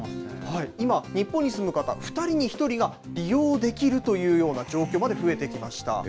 今、日本に住む方、２人に１人が利用できるというような状況まで増えてきました。